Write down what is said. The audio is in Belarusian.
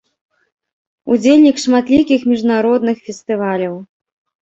Удзельнік шматлікіх міжнародных фестываляў.